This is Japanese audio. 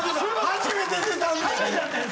初めて出たんで！